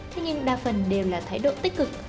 thế nhưng đa phần đều là thái độ tích cực